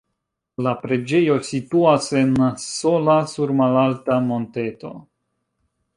La preĝejo situas en sola sur malalta monteto.